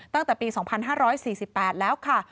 ตั้งแต่ปี๒๕๔๘แล้วค่ะ